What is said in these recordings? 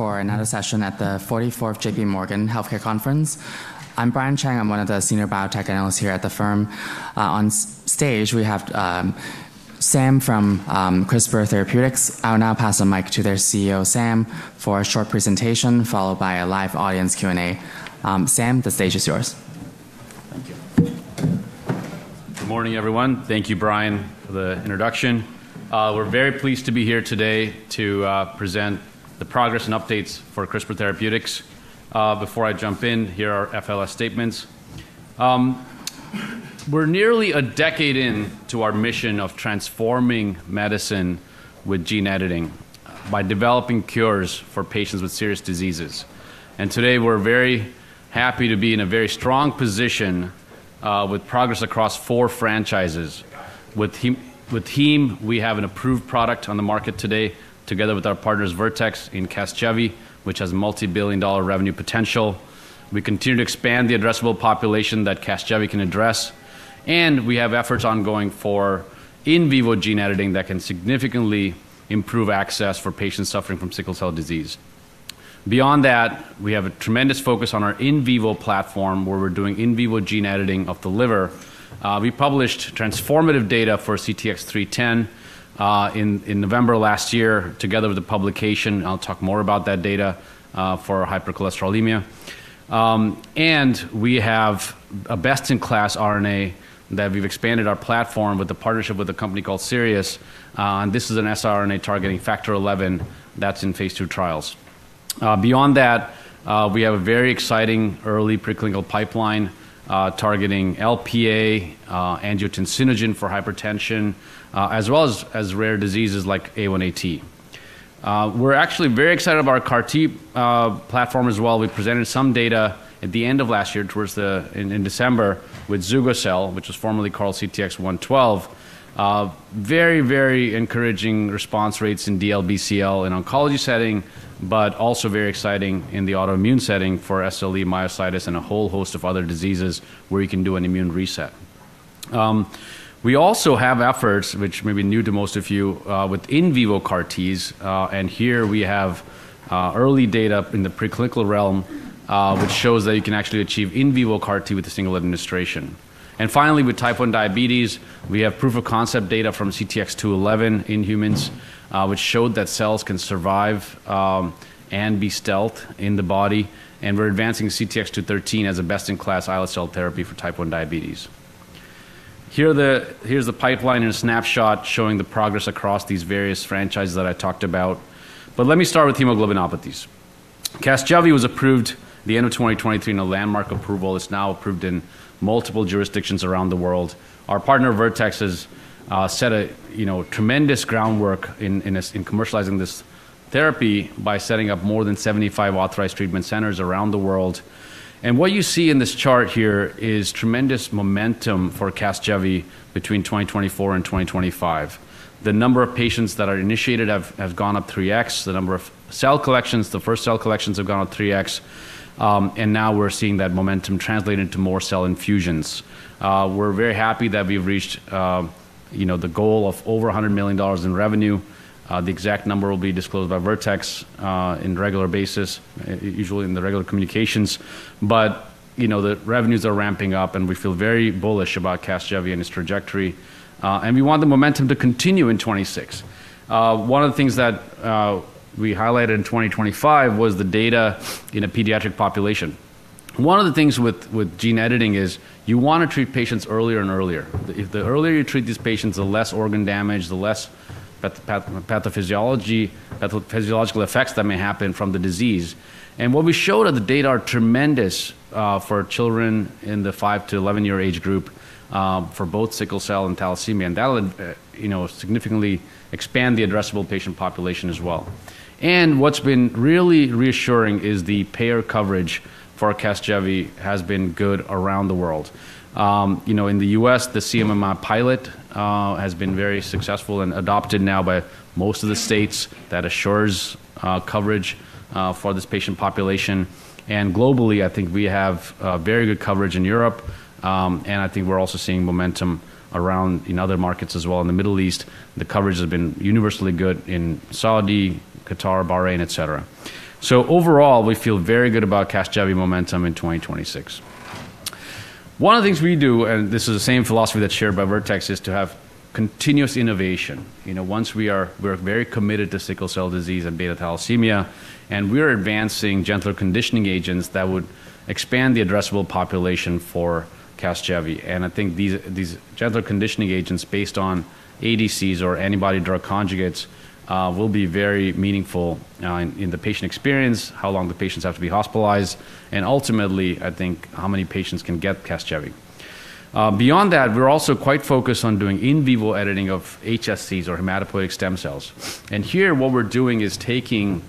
to another session at the 44th J.P. Morgan Healthcare Conference. I'm Brian Cheng. I'm one of the senior biotech analysts here at the firm. On stage, we have Sam from CRISPR Therapeutics. I'll now pass the mic to their CEO, Sam, for a short presentation followed by a live audience Q&A. Sam, the stage is yours. Thank you. Good morning, everyone. Thank you, Brian, for the introduction. We're very pleased to be here today to present the progress and updates for CRISPR Therapeutics. Before I jump in, here are our FLS statements. We're nearly a decade into our mission of transforming medicine with gene editing by developing cures for patients with serious diseases. And today, we're very happy to be in a very strong position with progress across four franchises. With Heme, we have an approved product on the market today together with our partners, Vertex and Casgevy, which has multi-billion dollar revenue potential. We continue to expand the addressable population that Casgevy can address. And we have efforts ongoing for in vivo gene editing that can significantly improve access for patients suffering from sickle cell disease. Beyond that, we have a tremendous focus on our in vivo platform, where we're doing in vivo gene editing of the liver. We published transformative data for CTX310 in November last year together with a publication. I'll talk more about that data for hypercholesterolemia. We have a best-in-class RNA that we've expanded our platform with the partnership with a company called Sirius. This is an siRNA targeting Factor XI that's in phase two trials. Beyond that, we have a very exciting early preclinical pipeline targeting Lp(a), angiotensinogen for hypertension, as well as rare diseases like A1AT. We're actually very excited about our CAR-T platform as well. We presented some data at the end of last year towards the end of December with CTX112. Very, very encouraging response rates in DLBCL in the oncology setting, but also very exciting in the autoimmune setting for SLE, myositis, and a whole host of other diseases where you can do an immune reset. We also have efforts, which may be new to most of you, with in vivo CAR-Ts, and here we have early data in the preclinical realm, which shows that you can actually achieve in vivo CAR-T with a single administration. And finally, with type 1 diabetes, we have proof of concept data from CTX211 in humans, which showed that cells can survive and be stealth in the body. And we're advancing CTX213 as a best-in-class islet cell therapy for type 1 diabetes. Here's the pipeline in a snapshot showing the progress across these various franchises that I talked about. But let me start with hemoglobinopathies. Casgevy was approved at the end of 2023 in a landmark approval. It's now approved in multiple jurisdictions around the world. Our partner, Vertex, has set a tremendous groundwork in commercializing this therapy by setting up more than 75 authorized treatment centers around the world. What you see in this chart here is tremendous momentum for Casgevy between 2024 and 2025. The number of patients that are initiated has gone up 3x. The number of cell collections, the first cell collections, have gone up 3x. Now we're seeing that momentum translate into more cell infusions. We're very happy that we've reached the goal of over $100 million in revenue. The exact number will be disclosed by Vertex on a regular basis, usually in the regular communications. The revenues are ramping up, and we feel very bullish about Casgevy and its trajectory. We want the momentum to continue in 2026. One of the things that we highlighted in 2025 was the data in a pediatric population. One of the things with gene editing is you want to treat patients earlier and earlier. The earlier you treat these patients, the less organ damage, the less pathophysiological effects that may happen from the disease. What we showed that the data are tremendous for children in the 5 to 11-year age group for both sickle cell and thalassemia. That will significantly expand the addressable patient population as well. What's been really reassuring is the payer coverage for CASGEVY has been good around the world. In the U.S., the CMMI pilot has been very successful and adopted now by most of the states. That assures coverage for this patient population. Globally, I think we have very good coverage in Europe. I think we're also seeing momentum around in other markets as well. In the Middle East, the coverage has been universally good in Saudi, Qatar, Bahrain, et cetera. Overall, we feel very good about CASGEVY momentum in 2026. One of the things we do, and this is the same philosophy that's shared by Vertex, is to have continuous innovation. Once we are very committed to sickle cell disease and beta thalassemia, and we are advancing gentler conditioning agents that would expand the addressable population for CASGEVY. I think these gentler conditioning agents based on ADCs or antibody-drug conjugates will be very meaningful in the patient experience, how long the patients have to be hospitalized, and ultimately, I think, how many patients can get CASGEVY. Beyond that, we're also quite focused on doing in vivo editing of HSCs or hematopoietic stem cells. And here, what we're doing is taking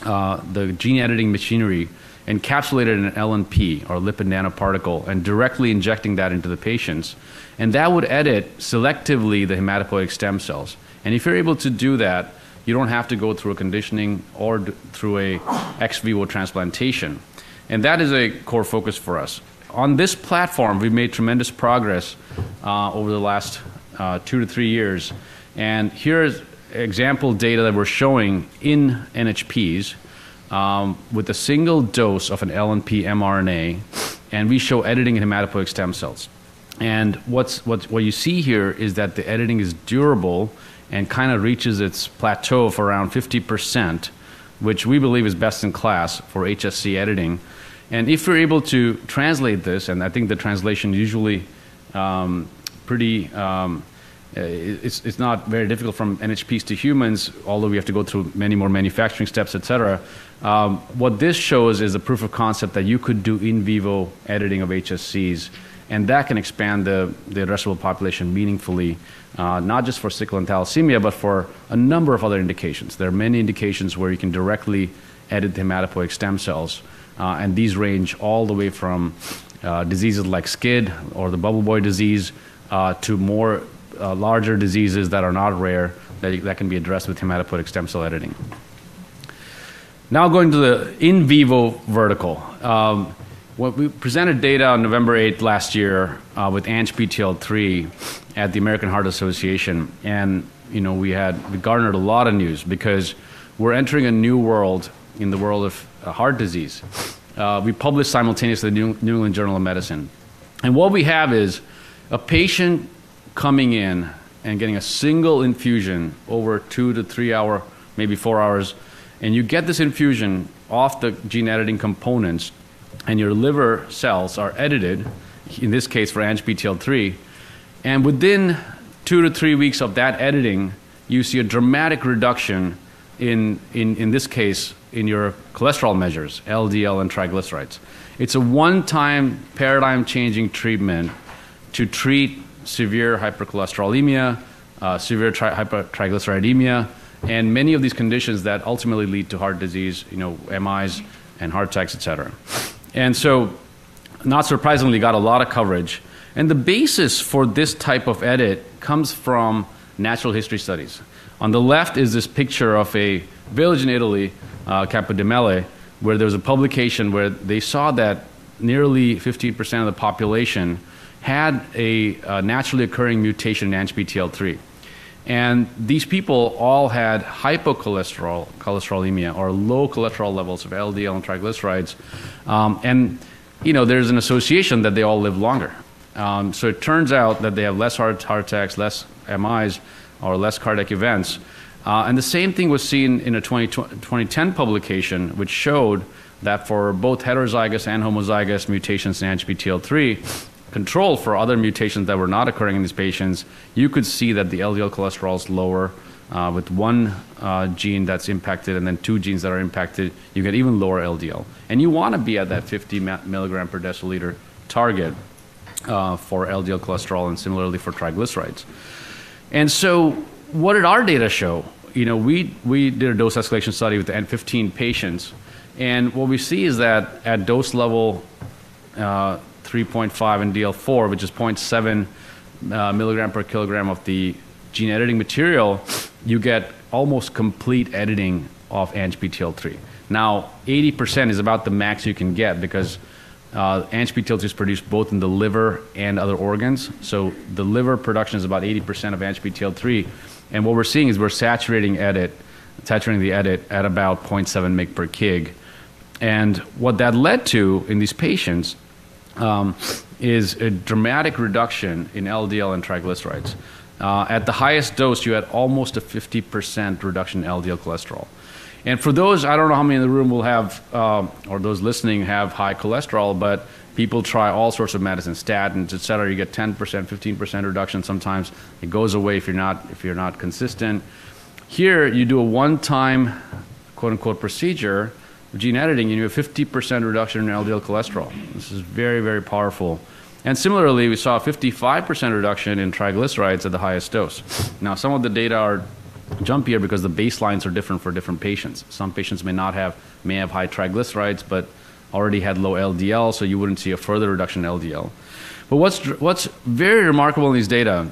the gene editing machinery, encapsulated in an LNP, or lipid nanoparticle, and directly injecting that into the patients. And that would edit selectively the hematopoietic stem cells. And if you're able to do that, you don't have to go through a conditioning or through an ex vivo transplantation. And that is a core focus for us. On this platform, we've made tremendous progress over the last two to three years. And here's example data that we're showing in NHPs with a single dose of an LNP mRNA. And we show editing in hematopoietic stem cells. And what you see here is that the editing is durable and kind of reaches its plateau of around 50%, which we believe is best in class for HSC editing. If we're able to translate this, and I think the translation is usually pretty. It's not very difficult from NHPs to humans, although we have to go through many more manufacturing steps, et cetera. What this shows is a proof of concept that you could do in vivo editing of HSCs. That can expand the addressable population meaningfully, not just for sickle and thalassemia, but for a number of other indications. There are many indications where you can directly edit hematopoietic stem cells. These range all the way from diseases like SCID or the bubble boy disease to more larger diseases that are not rare that can be addressed with hematopoietic stem cell editing. Now going to the in vivo vertical. We presented data on November 8 last year with ANGPTL3 at the American Heart Association. We had garnered a lot of news because we're entering a new world in the world of heart disease. We published simultaneously in the New England Journal of Medicine. And what we have is a patient coming in and getting a single infusion over two to three hours, maybe four hours. And you get this infusion off the gene editing components, and your liver cells are edited, in this case for ANGPTL3. And within two to three weeks of that editing, you see a dramatic reduction in, in this case, in your cholesterol measures, LDL and triglycerides. It's a one-time paradigm-changing treatment to treat severe hypercholesterolemia, severe hypertriglyceridemia, and many of these conditions that ultimately lead to heart disease, MIs and heart attacks, et cetera. And so, not surprisingly, got a lot of coverage. And the basis for this type of edit comes from natural history studies. On the left is this picture of a village in Italy, Campodimele, where there was a publication where they saw that nearly 50% of the population had a naturally occurring mutation in ANGPTL3. And these people all had hypocholesterolemia, or low cholesterol levels of LDL and triglycerides. And there's an association that they all live longer. So it turns out that they have less heart attacks, less MIs, or less cardiac events. And the same thing was seen in a 2010 publication, which showed that for both heterozygous and homozygous mutations in ANGPTL3, control for other mutations that were not occurring in these patients, you could see that the LDL cholesterol is lower with one gene that's impacted and then two genes that are impacted. You get even lower LDL. And you want to be at that 50 milligram per deciliter target for LDL cholesterol and similarly for triglycerides. And so what did our data show? We did a dose escalation study with 15 patients. And what we see is that at dose level 3.5 in DL4, which is 0.7 milligram per kilogram of the gene editing material, you get almost complete editing of ANGPTL3. Now, 80% is about the max you can get because ANGPTL3 is produced both in the liver and other organs. So the liver production is about 80% of ANGPTL3. And what we're seeing is we're saturating the edit at about 0.7 mg per kg. And what that led to in these patients is a dramatic reduction in LDL and triglycerides. At the highest dose, you had almost a 50% reduction in LDL cholesterol. And for those, I don't know how many in the room will have, or those listening have high cholesterol, but people try all sorts of medicines, statins, et cetera. You get 10%, 15% reduction. Sometimes it goes away if you're not consistent. Here, you do a one-time "procedure" gene editing, and you have 50% reduction in LDL cholesterol. This is very, very powerful. And similarly, we saw a 55% reduction in triglycerides at the highest dose. Now, some of the data are jumpier because the baselines are different for different patients. Some patients may not have high triglycerides, but already had low LDL, so you wouldn't see a further reduction in LDL. But what's very remarkable in these data,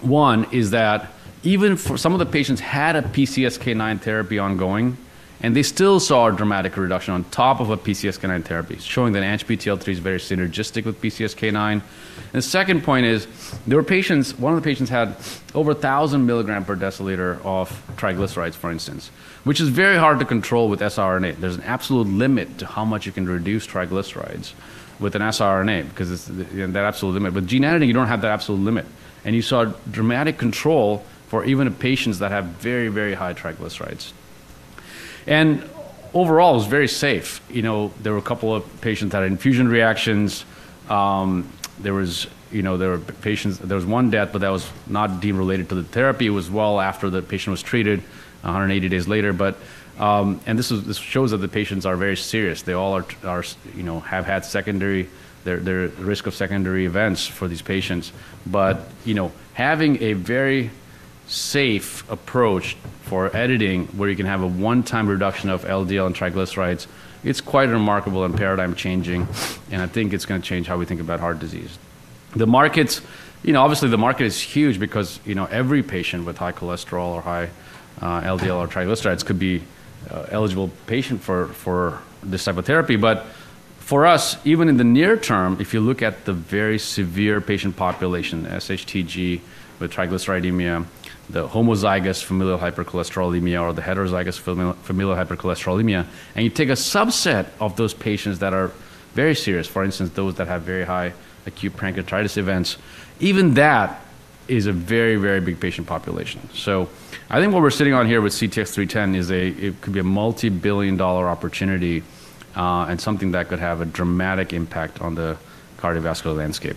one, is that even some of the patients had a PCSK9 therapy ongoing, and they still saw a dramatic reduction on top of a PCSK9 therapy, showing that ANGPTL3 is very synergistic with PCSK9. And the second point is there were patients. One of the patients had over 1,000 milligrams per deciliter of triglycerides, for instance, which is very hard to control with siRNA. There's an absolute limit to how much you can reduce triglycerides with an siRNA because it's that absolute limit. With gene editing, you don't have that absolute limit. And you saw dramatic control for even patients that have very, very high triglycerides. And overall, it was very safe. There were a couple of patients that had infusion reactions. There were patients. There was one death, but that was not deemed related to the therapy. It was well after the patient was treated, 180 days later. And this shows that the patients are very serious. They all have had secondary, the risk of secondary events for these patients. But having a very safe approach for editing where you can have a one-time reduction of LDL and triglycerides, it's quite remarkable and paradigm-changing. And I think it's going to change how we think about heart disease. The markets, obviously, the market is huge because every patient with high cholesterol or high LDL or triglycerides could be an eligible patient for this type of therapy. But for us, even in the near term, if you look at the very severe patient population, SHTG with hypertriglyceridemia, the homozygous familial hypercholesterolemia, or the heterozygous familial hypercholesterolemia, and you take a subset of those patients that are very serious, for instance, those that have very high acute pancreatitis events, even that is a very, very big patient population. I think what we're sitting on here with CTX310 is it could be a multi-billion dollar opportunity and something that could have a dramatic impact on the cardiovascular landscape.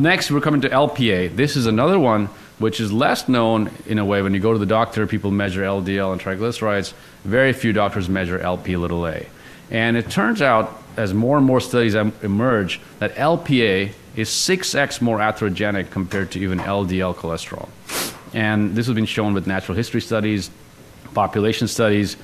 Next, we're coming to Lp(a). This is another one which is less known in a way. When you go to the doctor, people measure LDL and triglycerides. Very few doctors measure Lp(a). And it turns out, as more and more studies emerge, that Lp(a) is 6x more atherogenic compared to even LDL cholesterol. And this has been shown with natural history studies, population studies.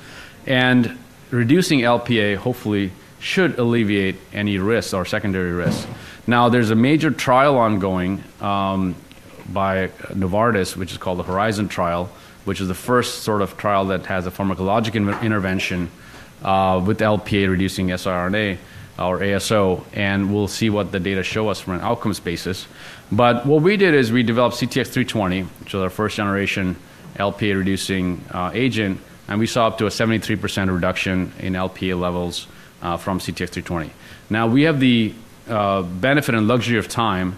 And reducing Lp(a) hopefully should alleviate any risks or secondary risks. Now, there's a major trial ongoing by Novartis, which is called the Horizon trial, which is the first sort of trial that has a pharmacologic intervention with Lp(a) reducing siRNA or ASO. And we'll see what the data show us from an outcomes basis. But what we did is we developed CTX320, which is our first-generation Lp(a)-reducing agent. And we saw up to a 73% reduction in Lp(a) levels from CTX320. Now, we have the benefit and luxury of time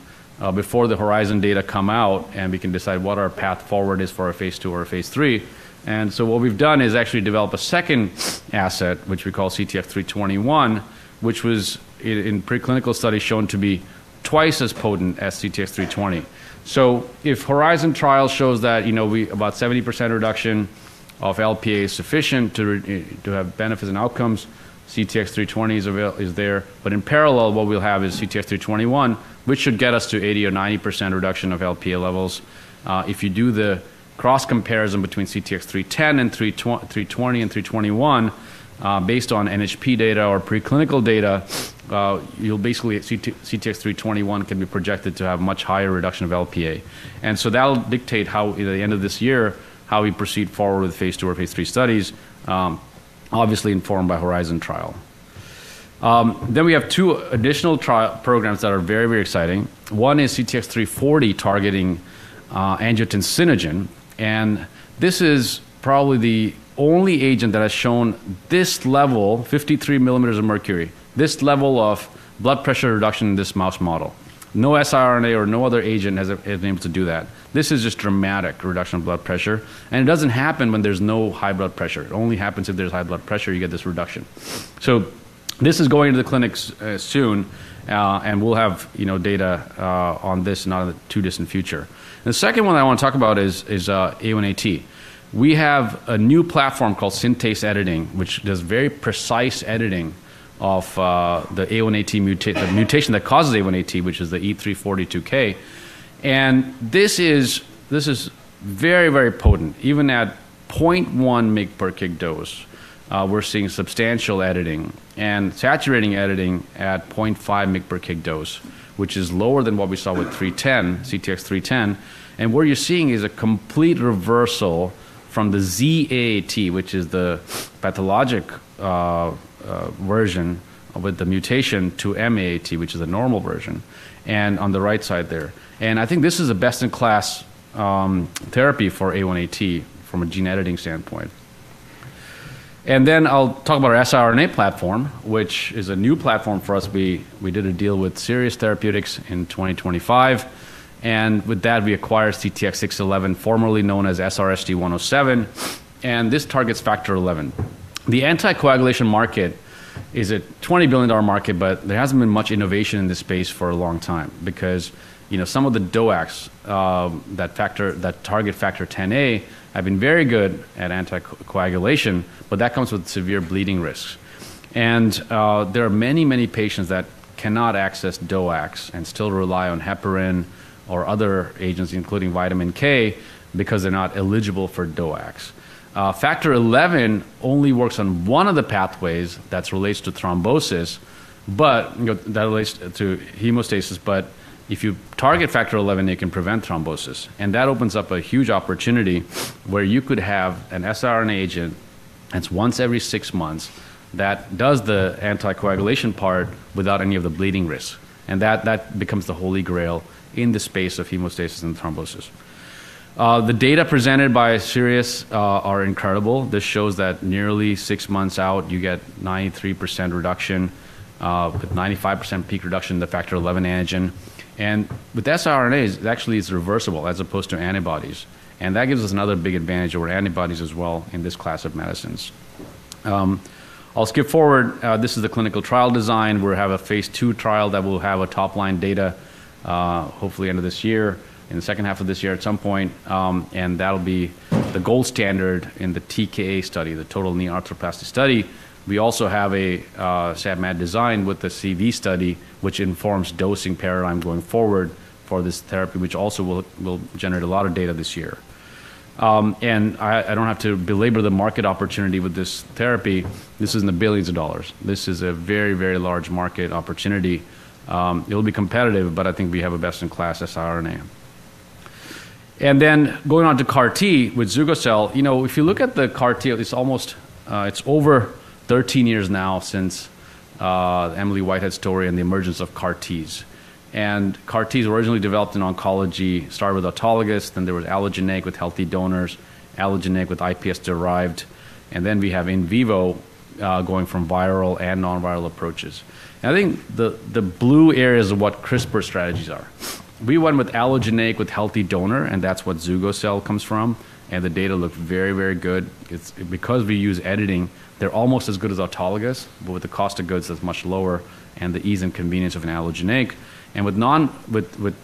before the Horizon data come out, and we can decide what our path forward is for a phase 2 or a phase 3. And so what we've done is actually develop a second asset, which we call CTX321, which was in preclinical studies shown to be twice as potent as CTX320. So if Horizon Trial shows that about 70% reduction of Lp(a) is sufficient to have benefits and outcomes, CTX320 is there. But in parallel, what we'll have is CTX321, which should get us to 80%-90% reduction of Lp(a) levels. If you do the cross comparison between CTX310 and 320 and 321, based on NHP data or preclinical data, you'll basically see CTX321 can be projected to have much higher reduction of Lp(a). And so that'll dictate how, at the end of this year, how we proceed forward with phase two or phase three studies, obviously informed by Horizon Trial. Then we have two additional programs that are very, very exciting. One is CTX340 targeting angiotensinogen. And this is probably the only agent that has shown this level, 53 millimeters of mercury, this level of blood pressure reduction in this mouse model. No siRNA or no other agent has been able to do that. This is just dramatic reduction of blood pressure. And it doesn't happen when there's no high blood pressure. It only happens if there's high blood pressure, you get this reduction. So this is going to the clinics soon, and we'll have data on this not in the too distant future. The second one I want to talk about is A1AT. We have a new platform called Synthesis Editing, which does very precise editing of the A1AT mutation that causes A1AT, which is the E342K. And this is very, very potent. Even at 0.1 mg per kg dose, we're seeing substantial editing and saturating editing at 0.5 mg per kg dose, which is lower than what we saw with CTX310. And what you're seeing is a complete reversal from the Z AAT, which is the pathologic version with the mutation, to M AAT, which is the normal version. And on the right side there. And I think this is a best-in-class therapy for A1AT from a gene editing standpoint. Then I'll talk about our siRNA platform, which is a new platform for us. We did a deal with Sirius Therapeutics in 2025. And with that, we acquired CTX611, formerly known as SRSD107. And this targets Factor XI. The anticoagulation market is a $20 billion market, but there hasn't been much innovation in this space for a long time because some of the DOACs that target Factor Xa have been very good at anticoagulation, but that comes with severe bleeding risks. And there are many, many patients that cannot access DOACs and still rely on heparin or other agents, including vitamin K, because they're not eligible for DOACs. Factor XI only works on one of the pathways that relates to thrombosis, but that relates to hemostasis. But if you target Factor XI, it can prevent thrombosis. And that opens up a huge opportunity where you could have an siRNA agent that's once every six months that does the anticoagulation part without any of the bleeding risk. And that becomes the holy grail in the space of hemostasis and thrombosis. The data presented by Sirius are incredible. This shows that nearly six months out, you get 93% reduction with 95% peak reduction in the Factor XI antigen. And with siRNA, it actually is reversible as opposed to antibodies. And that gives us another big advantage over antibodies as well in this class of medicines. I'll skip forward. This is the clinical trial design. We have a phase two trial that will have top-line data, hopefully end of this year, in the second half of this year at some point. And that'll be the gold standard in the TKA study, the total knee arthroplasty study. We also have a SAD/MAD design with the CV study, which informs dosing paradigm going forward for this therapy, which also will generate a lot of data this year. I don't have to belabor the market opportunity with this therapy. This is in the billions of dollars. This is a very, very large market opportunity. It'll be competitive, but I think we have a best-in-class siRNA. Then going on to CAR-T with CTX112. If you look at the CAR-T, it's over 13 years now since Emily Whitehead's story and the emergence of CAR-Ts. CAR-Ts originally developed in oncology, started with autologous. Then there was allogeneic with healthy donors, allogeneic with iPS-derived. Then we have in vivo going from viral and non-viral approaches. I think the blue areas of what CRISPR strategies are. We went with allogeneic with healthy donor, and that's what CTX112 comes from. And the data looked very, very good. Because we use editing, they're almost as good as autologous, but with the cost of goods that's much lower and the ease and convenience of an allogeneic. And with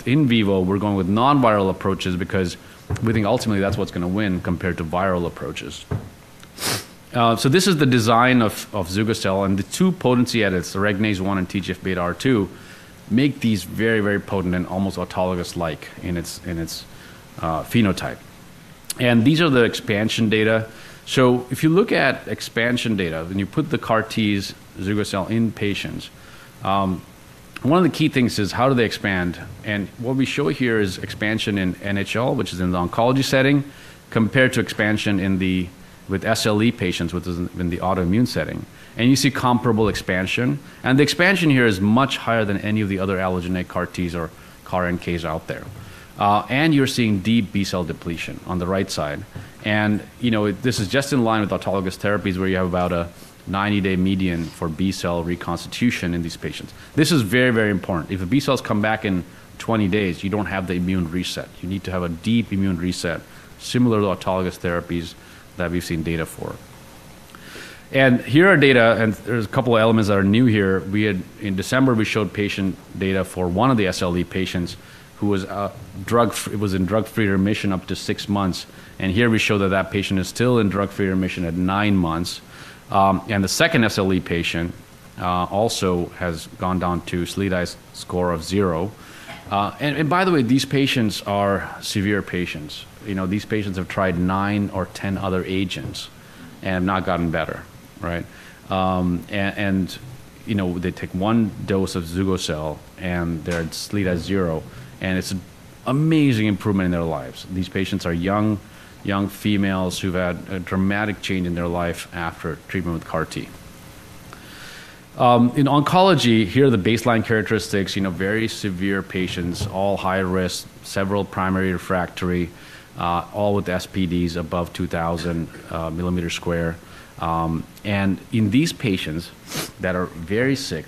in vivo, we're going with non-viral approaches because we think ultimately that's what's going to win compared to viral approaches. So this is the design of CTX112. And the two potency edits, the Regnase-1 and TGF-βR2, make these very, very potent and almost autologous-like in its phenotype. And these are the expansion data. So if you look at expansion data and you put the CAR-Ts, CTX112 in patients, one of the key things is how do they expand? And what we show here is expansion in NHL, which is in the oncology setting, compared to expansion with SLE patients, which is in the autoimmune setting. And you see comparable expansion. And the expansion here is much higher than any of the other allogeneic CAR-Ts or CAR-NKs out there. And you're seeing deep B-cell depletion on the right side. And this is just in line with autologous therapies where you have about a 90-day median for B-cell reconstitution in these patients. This is very, very important. If the B-cells come back in 20 days, you don't have the immune reset. You need to have a deep immune reset, similar to autologous therapies that we've seen data for. And here are data, and there's a couple of elements that are new here. In December, we showed patient data for one of the SLE patients who was in drug-free remission up to six months. Here we show that that patient is still in drug-free remission at nine months. The second SLE patient also has gone down to SLEDAI score of zero. By the way, these patients are severe patients. These patients have tried nine or ten other agents and have not gotten better. They take one dose of CTX112, and they're SLEDAI zero. It's an amazing improvement in their lives. These patients are young females who've had a dramatic change in their life after treatment with CAR-T. In oncology, here are the baseline characteristics. Very severe patients, all high risk, several primary refractory, all with SPDs above 2,000 square millimeters. In these patients that are very sick,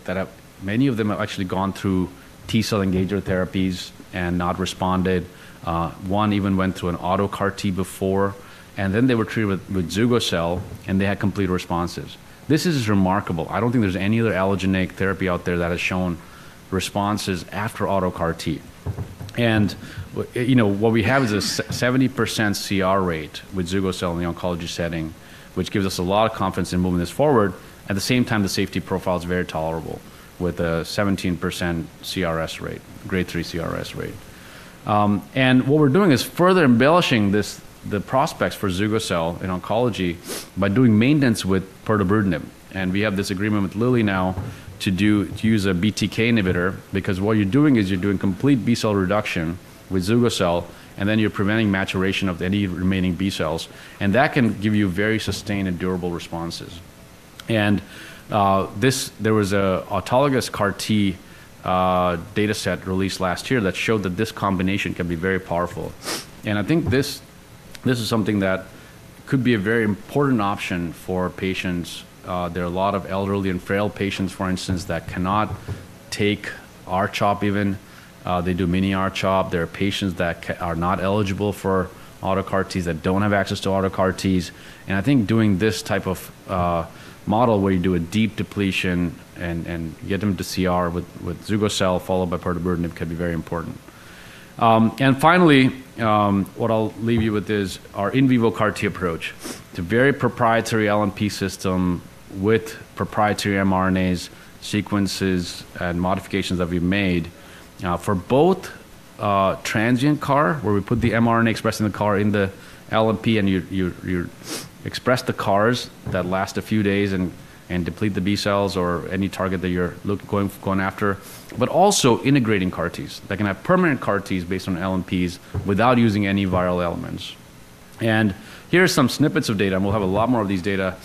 many of them have actually gone through T-cell engager therapies and not responded. One even went through an auto CAR-T before. Then they were treated with CTX112, and they had complete responses. This is remarkable. I don't think there's any other allogeneic therapy out there that has shown responses after auto CAR-T. What we have is a 70% CR rate with CTX112 in the oncology setting, which gives us a lot of confidence in moving this forward. At the same time, the safety profile is very tolerable with a 17% CRS rate, grade 3 CRS rate. What we're doing is further embellishing the prospects for CTX112 in oncology by doing maintenance with pirtobrutinib. We have this agreement with Lilly now to use a BTK inhibitor because what you're doing is you're doing complete B-cell reduction with CTX112, and then you're preventing maturation of any remaining B-cells. That can give you very sustained and durable responses. There was an autologous CAR-T data set released last year that showed that this combination can be very powerful. I think this is something that could be a very important option for patients. There are a lot of elderly and frail patients, for instance, that cannot take R-CHOP even. They do mini R-CHOP. There are patients that are not eligible for auto CAR-Ts, that don't have access to auto CAR-Ts. I think doing this type of model where you do a deep depletion and get them to CR with CTX112 followed by pirtobrutinib can be very important. Finally, what I'll leave you with is our in vivo CAR-T approach. It's a very proprietary LNP system with proprietary mRNAs, sequences, and modifications that we've made for both transient CAR, where we put the mRNA expressing the CAR in the LNP, and you express the CARs that last a few days and deplete the B-cells or any target that you're going after, but also integrating CAR-Ts that can have permanent CAR-Ts based on LNPs without using any viral elements. Here are some snippets of data. We'll have a lot more of these data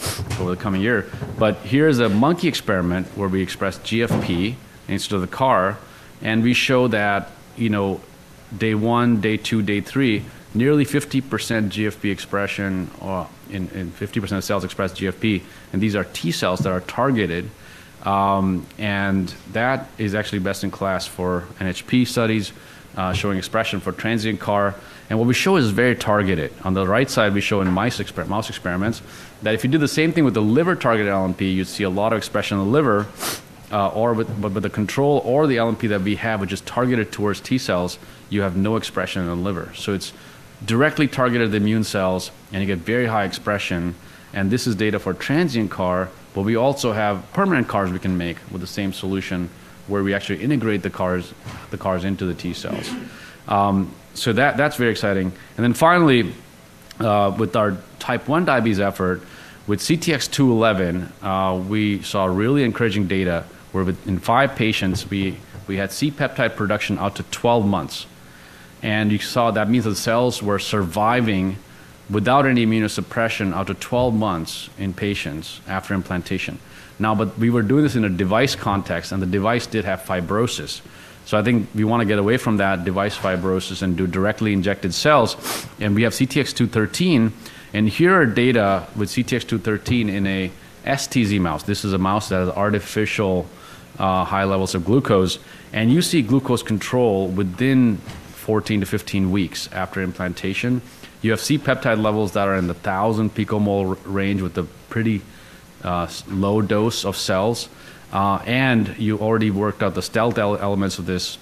over the coming year. Here is a monkey experiment where we express GFP instead of the CAR. We show that day one, day two, day three, nearly 50% GFP expression and 50% of cells express GFP. These are T-cells that are targeted. And that is actually best in class for NHP studies showing expression for transient CAR. And what we show is very targeted. On the right side, we show in mouse experiments that if you do the same thing with the liver-targeted LNP, you'd see a lot of expression in the liver. But with the control or the LNP that we have, which is targeted towards T-cells, you have no expression in the liver. So it's directly targeted immune cells, and you get very high expression. And this is data for transient CAR, but we also have permanent CARs we can make with the same solution where we actually integrate the CARs into the T-cells. So that's very exciting. And then finally, with our Type 1 diabetes effort, with CTX211, we saw really encouraging data where in five patients, we had C-peptide production out to 12 months. And you saw that means the cells were surviving without any immunosuppression out to 12 months in patients after implantation. Now, but we were doing this in a device context, and the device did have fibrosis. So I think we want to get away from that device fibrosis and do directly injected cells. And we have CTX213. And here are data with CTX213 in an STZ mouse. This is a mouse that has artificial high levels of glucose. And you see glucose control within 14-15 weeks after implantation. You have C-peptide levels that are in the 1,000 picomole range with a pretty low dose of cells. And you already worked out the stealth elements of this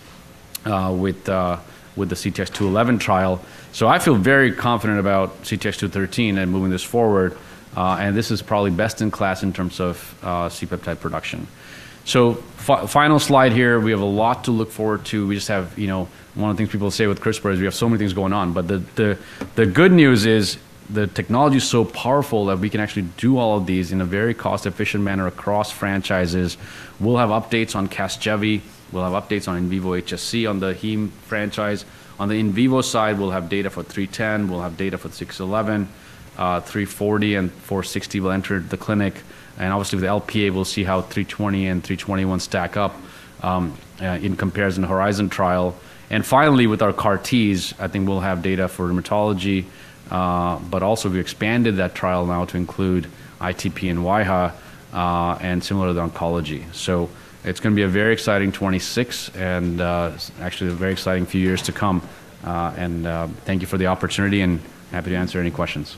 with the CTX211 trial. So I feel very confident about CTX213 and moving this forward. And this is probably best in class in terms of C-peptide production. So final slide here. We have a lot to look forward to. We just have one of the things people say with CRISPR is we have so many things going on. But the good news is the technology is so powerful that we can actually do all of these in a very cost-efficient manner across franchises. We'll have updates on Casgevy. We'll have updates on in vivo HSC on the Heme franchise. On the in vivo side, we'll have data for 310. We'll have data for 611. 340 and 460 will enter the clinic. And obviously, with the Lp(a), we'll see how 320 and 321 stack up in comparison Horizon trial. And finally, with our CAR-Ts, I think we'll have data for rheumatology. But also, we've expanded that trial now to include ITP and wAIHA and similar to the oncology. It's going to be a very exciting 2026 and actually a very exciting few years to come. Thank you for the opportunity and happy to answer any questions.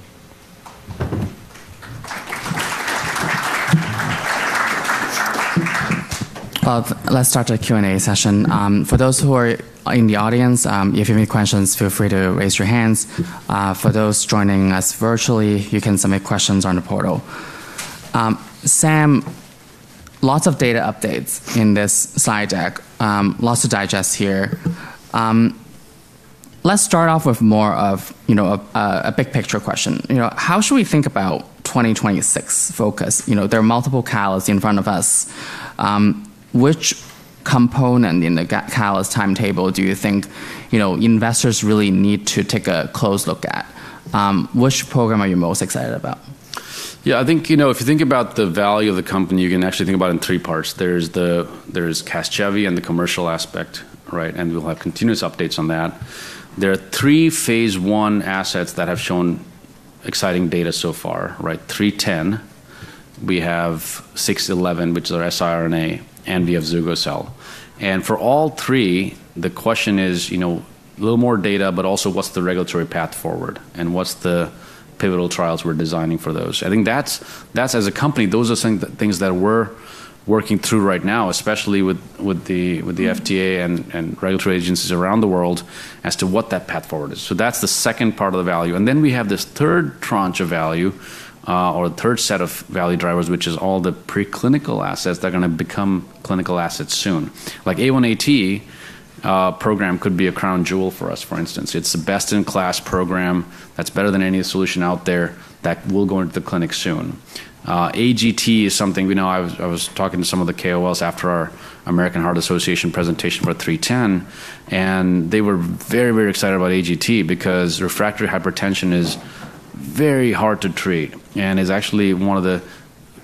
Let's start the Q&A session. For those who are in the audience, if you have any questions, feel free to raise your hands. For those joining us virtually, you can submit questions on the portal. Sam, lots of data updates in this slide deck. Lots to digest here. Let's start off with more of a big picture question. How should we think about 2026 focus? There are multiple catalysts in front of us. Which component in the catalysts timetable do you think investors really need to take a close look at? Which program are you most excited about? Yeah, I think if you think about the value of the company, you can actually think about it in three parts. There's Casgevy and the commercial aspect, and we'll have continuous updates on that. There are three phase one assets that have shown exciting data so far. CTX310, we have CTX611, which is our siRNA and we have CTX112. And for all three, the question is a little more data, but also what's the regulatory path forward and what's the pivotal trials we're designing for those. I think that's as a company, those are things that we're working through right now, especially with the FDA and regulatory agencies around the world as to what that path forward is. So that's the second part of the value. And then we have this third tranche of value or third set of value drivers, which is all the preclinical assets that are going to become clinical assets soon. Like A1AT program could be a crown jewel for us, for instance. It's the best-in-class program that's better than any solution out there that will go into the clinic soon. AGT is something I was talking to some of the KOLs after our American Heart Association presentation for 310. And they were very, very excited about AGT because refractory hypertension is very hard to treat and is actually one of the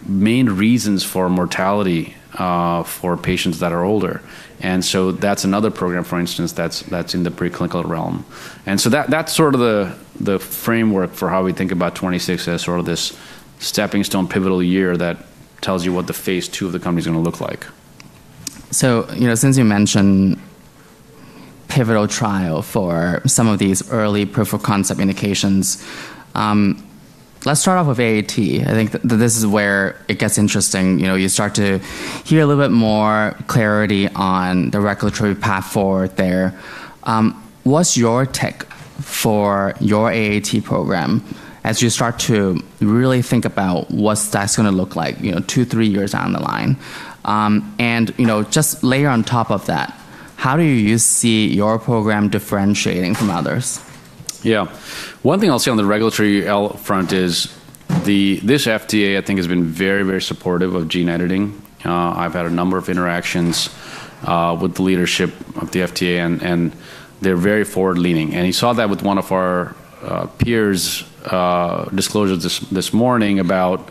main reasons for mortality for patients that are older. And so that's another program, for instance, that's in the preclinical realm. That's sort of the framework for how we think about 2026 as sort of this stepping stone pivotal year that tells you what the phase two of the company is going to look like. So since you mentioned pivotal trial for some of these early proof of concept indications, let's start off with A1AT. I think this is where it gets interesting. You start to hear a little bit more clarity on the regulatory path forward there. What's your take for your A1AT program as you start to really think about what's that going to look like two, three years down the line? And just layer on top of that, how do you see your program differentiating from others? Yeah. One thing I'll say on the regulatory front is this FDA, I think, has been very, very supportive of gene editing. I've had a number of interactions with the leadership of the FDA, and they're very forward-leaning. And you saw that with one of our peers' disclosures this morning about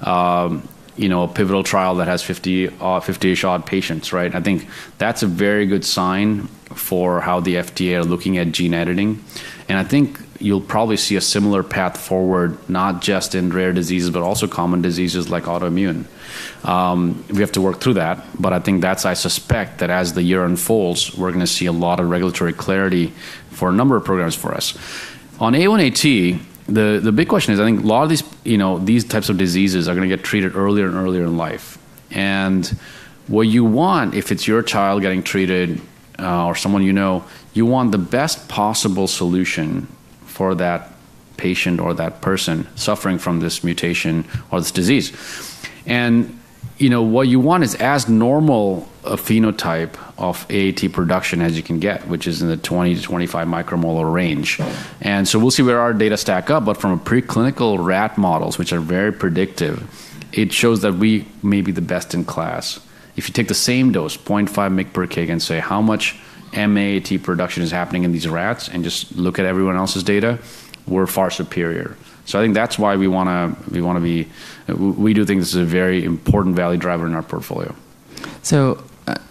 a pivotal trial that has 50-ish odd patients. I think that's a very good sign for how the FDA are looking at gene editing. And I think you'll probably see a similar path forward, not just in rare diseases, but also common diseases like autoimmune. We have to work through that. But I think that's I suspect that as the year unfolds, we're going to see a lot of regulatory clarity for a number of programs for us. On A1AT, the big question is, I think, a lot of these types of diseases are going to get treated earlier and earlier in life, and what you want, if it's your child getting treated or someone you know, you want the best possible solution for that patient or that person suffering from this mutation or this disease, and what you want is as normal a phenotype of AAT production as you can get, which is in the 20-25 micromolar range, and so we'll see where our data stack up, but from preclinical rat models, which are very predictive, it shows that we may be the best in class. If you take the same dose, 0.5 mg/kg, and say how much AAT production is happening in these rats and just look at everyone else's data, we're far superior. I think that's why we do think this is a very important value driver in our portfolio. So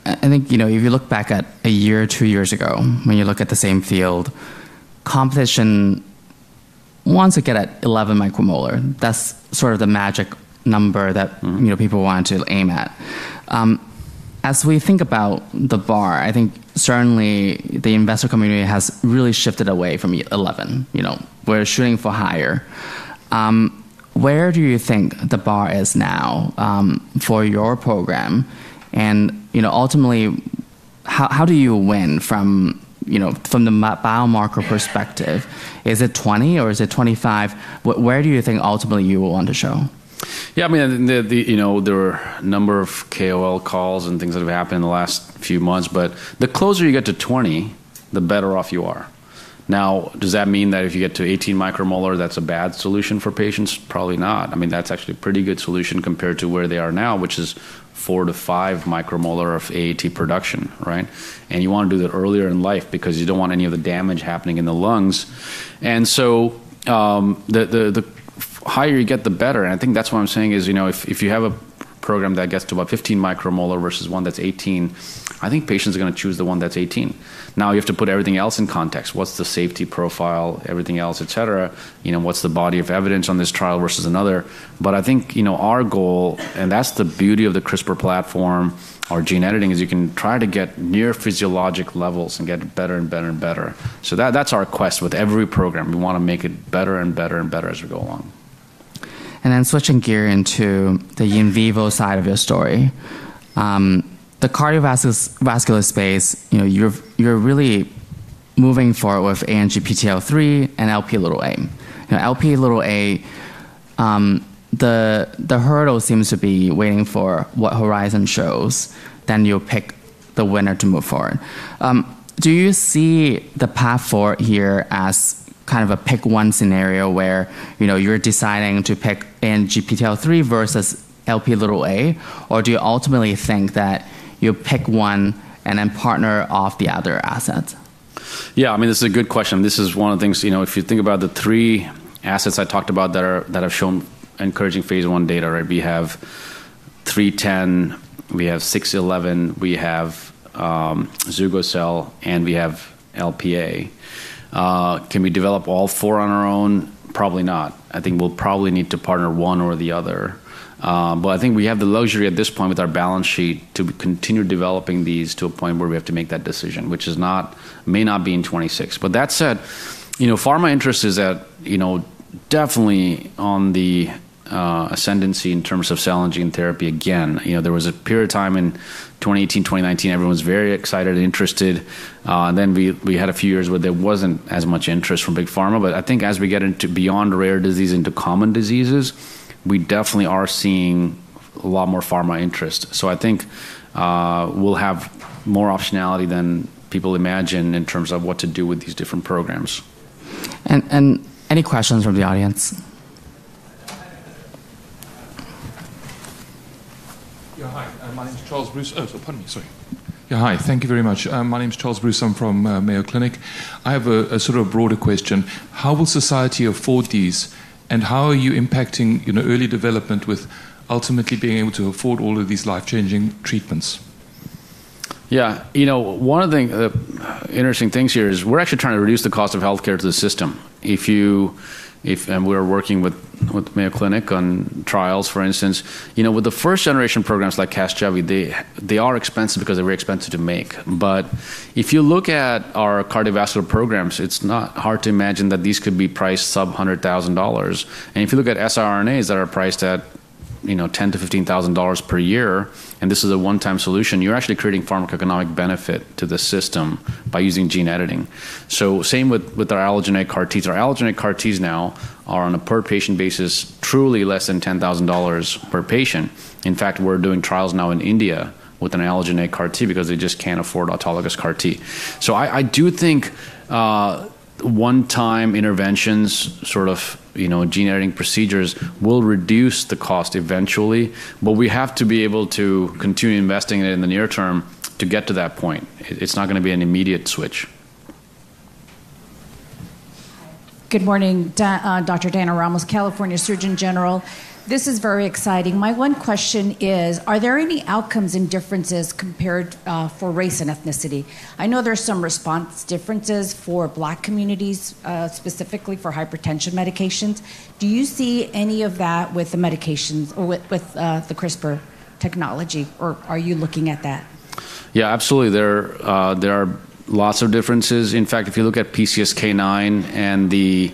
I think if you look back at a year or two years ago, when you look at the same field, competition wants to get at 11 micromolar. That's sort of the magic number that people want to aim at. As we think about the bar, I think certainly the investor community has really shifted away from 11. We're shooting for higher. Where do you think the bar is now for your program? And ultimately, how do you win from the biomarker perspective? Is it 20 or is it 25? Where do you think ultimately you will want to show? Yeah, I mean, there are a number of KOL calls and things that have happened in the last few months. But the closer you get to 20, the better off you are. Now, does that mean that if you get to 18 micromolar, that's a bad solution for patients? Probably not. I mean, that's actually a pretty good solution compared to where they are now, which is 4 to 5 micromolar of AAT production. And you want to do that earlier in life because you don't want any of the damage happening in the lungs. And so the higher you get, the better. And I think that's what I'm saying is if you have a program that gets to about 15 micromolar versus one that's 18, I think patients are going to choose the one that's 18. Now, you have to put everything else in context. What's the safety profile, everything else, et cetera? What's the body of evidence on this trial versus another? But I think our goal, and that's the beauty of the CRISPR platform, our gene editing, is you can try to get near physiologic levels and get better and better and better. So that's our quest with every program. We want to make it better and better and better as we go along. And then switching gear into the in vivo side of your story, the cardiovascular space, you're really moving forward with ANGPTL3 and Lp(a). Lp(a), the hurdle seems to be waiting for what Horizon shows, then you'll pick the winner to move forward. Do you see the path forward here as kind of a pick one scenario where you're deciding to pick ANGPTL3 versus Lp(a), or do you ultimately think that you'll pick one and then partner off the other assets? Yeah, I mean, this is a good question. This is one of the things if you think about the three assets I talked about that have shown encouraging phase one data. We have CTX310, we have CTX611, we have CTX112, and we have Lp(a). Can we develop all four on our own? Probably not. I think we'll probably need to partner one or the other. But I think we have the luxury at this point with our balance sheet to continue developing these to a point where we have to make that decision, which may not be in 2026. But that said, pharma interest is definitely on the ascendancy in terms of cell and gene therapy. Again, there was a period of time in 2018, 2019, everyone was very excited and interested. Then we had a few years where there wasn't as much interest from big pharma. But I think as we get into beyond rare disease into common diseases, we definitely are seeing a lot more pharma interest. So I think we'll have more optionality than people imagine in terms of what to do with these different programs. Any questions from the audience? Yeah, hi. Thank you very much. My name is Charles Bruce. I'm from Mayo Clinic. I have a sort of broader question. How will society afford these? And how are you impacting early development with ultimately being able to afford all of these life-changing treatments? Yeah, one of the interesting things here is we're actually trying to reduce the cost of health care to the system, and we're working with Mayo Clinic on trials, for instance. With the first generation programs like Casgevy, they are expensive because they're very expensive to make, but if you look at our cardiovascular programs, it's not hard to imagine that these could be priced sub $100,000, and if you look at siRNAs that are priced at $10,000-$15,000 per year, and this is a one-time solution, you're actually creating pharmacoeconomic benefit to the system by using gene editing, so same with our allogeneic CAR-Ts. Our allogeneic CAR-Ts now are on a per patient basis, truly less than $10,000 per patient. In fact, we're doing trials now in India with an allogeneic CAR-T because they just can't afford autologous CAR-T. So I do think one-time interventions, sort of gene editing procedures, will reduce the cost eventually. But we have to be able to continue investing in it in the near term to get to that point. It's not going to be an immediate switch. Good morning, Dr. Diana Ramos, California Surgeon General. This is very exciting. My one question is, are there any outcomes and differences compared for race and ethnicity? I know there are some response differences for Black communities, specifically for hypertension medications. Do you see any of that with the medications with the CRISPR technology, or are you looking at that? Yeah, absolutely. There are lots of differences. In fact, if you look at PCSK9 and the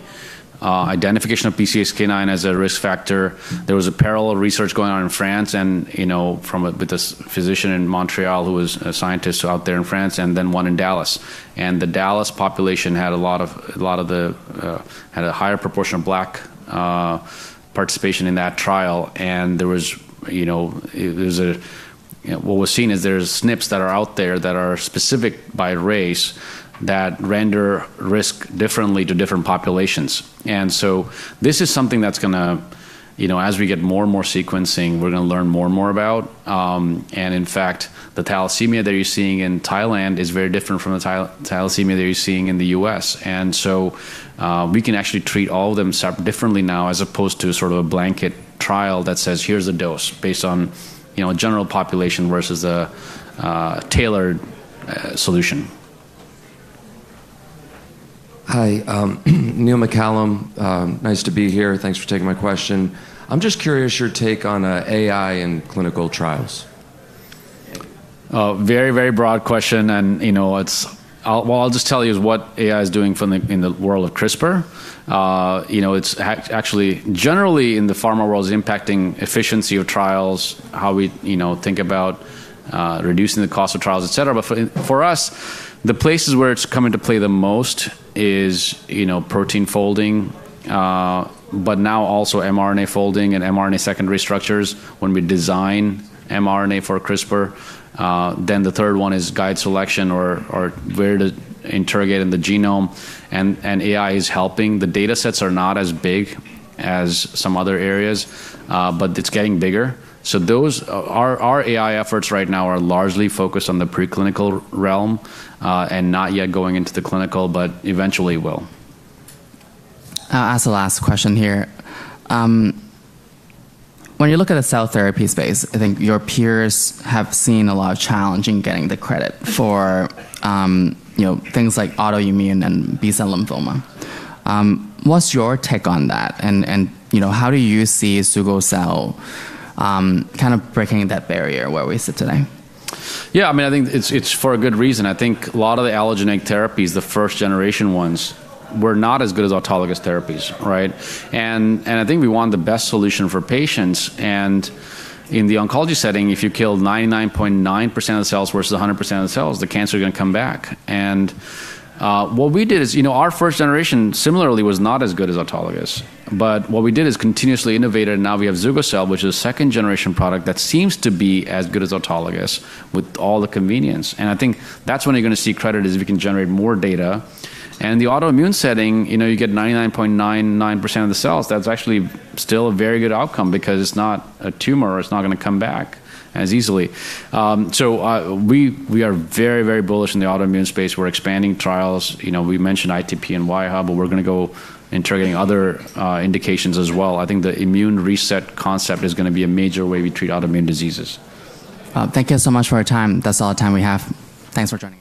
identification of PCSK9 as a risk factor, there was a parallel research going on in France and with a physician in Montreal who was a scientist out there in France and then one in Dallas. The Dallas population had a higher proportion of Black participation in that trial. What was seen is there are SNPs that are out there that are specific by race that render risk differently to different populations. This is something that's going to, as we get more and more sequencing, we're going to learn more and more about. In fact, the thalassemia that you're seeing in Thailand is very different from the thalassemia that you're seeing in the US. And so we can actually treat all of them differently now as opposed to sort of a blanket trial that says, "here's the dose based on general population versus a tailored solution. Hi. Neil McCallum. Nice to be here. Thanks for taking my question. I'm just curious your take on AI in clinical trials. Very, very broad question, and what I'll just tell you is what AI is doing in the world of CRISPR. It's actually generally in the pharma world is impacting efficiency of trials, how we think about reducing the cost of trials, et cetera, but for us, the places where it's coming to play the most is protein folding, but now also mRNA folding and mRNA secondary structures when we design mRNA for CRISPR, then the third one is guide selection or where to interrogate in the genome, and AI is helping. The data sets are not as big as some other areas, but it's getting bigger, so our AI efforts right now are largely focused on the preclinical realm and not yet going into the clinical, but eventually will. I'll ask the last question here. When you look at the cell therapy space, I think your peers have seen a lot of challenge in getting the credit for things like autoimmune and B-cell lymphoma. What's your take on that? And how do you see CTX112 kind of breaking that barrier where we sit today? Yeah, I mean, I think it's for a good reason. I think a lot of the allogeneic therapies, the first generation ones, were not as good as autologous therapies, right? And I think we want the best solution for patients. And in the oncology setting, if you kill 99.9% of the cells versus 100% of the cells, the cancer is going to come back. And what we did is our first generation, similarly, was not as good as autologous. But what we did is continuously innovated. And now we have CTX112, which is a second generation product that seems to be as good as autologous with all the convenience. And I think that's when you're going to see credit is if we can generate more data. And the autoimmune setting, you get 99.99% of the cells. That's actually still a very good outcome because it's not a tumor. It's not going to come back as easily. So we are very, very bullish in the autoimmune space. We're expanding trials. We mentioned ITP and wAIHA, but we're going to go investigating other indications as well. I think the immune reset concept is going to be a major way we treat autoimmune diseases. Thank you so much for your time. That's all the time we have. Thanks for joining.